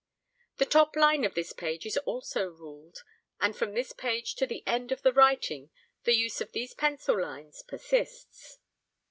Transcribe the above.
The top line of this page is also ruled, and from this page to the end of the writing the use of these pencil lines persists.